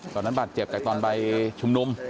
ตอนนั้นบาดเจ็บจากตอนใบชุมนุม